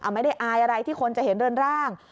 ไม่ได้อายอะไรที่คนจะเห็นเรือนร่าง